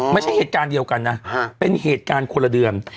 ไม่ใช่เหตุการณ์เดียวกันนะเป็นเหตุการณ์คนละเดือน